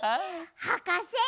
はかせ！